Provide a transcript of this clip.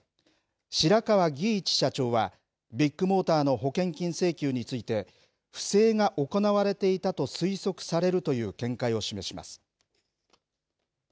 白川儀一社長は、ビッグモーターの保険金請求について、不正が行われていたと推測されるという見解を示します。